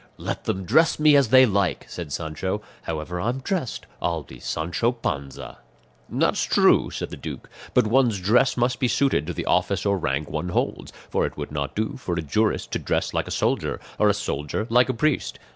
"Let them dress me as they like," said Sancho; "however I'm dressed I'll be Sancho Panza." "That's true," said the duke; "but one's dress must be suited to the office or rank one holds; for it would not do for a jurist to dress like a soldier, or a soldier like a priest.